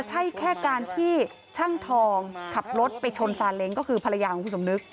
ใช่แค่การที่ช่างทองขับรถไปชนซาเล้งก็คือภรรยาของคุณสมนึก